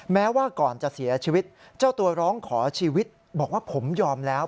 แม้ว่าก่อนจะเสียชีวิตเจ้าตัวร้องขอชีวิตบอกว่าผมยอมแล้ว